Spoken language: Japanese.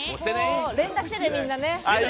連打してね、みんな。